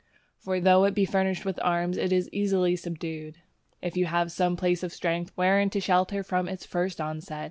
For though it be furnished with arms it is easily subdued, if you have some place of strength wherein to shelter from its first onset.